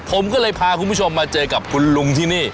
ผมก็เลยพาคุณผู้ชมมาเจอกับคุณลุงที่นี่